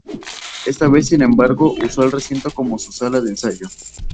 Esta vez, sin embargo, usó el recinto como su sala de ensayo.